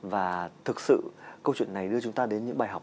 và thực sự câu chuyện này đưa chúng ta đến những bài học